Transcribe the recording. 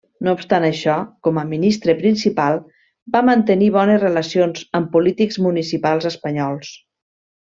No obstant això, com a ministre principal, va mantenir bones relacions amb polítics municipals espanyols.